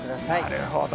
なるほど。